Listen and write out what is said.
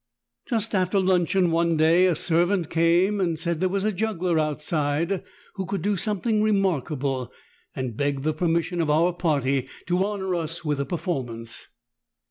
Just after luncheon one day a servant came and said there was a juggler outside who could do something remarkable, and begged the permission of our party to honor us with a performance.